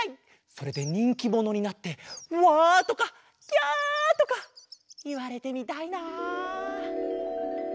それでにんきものになってワとかキャとかいわれてみたいな。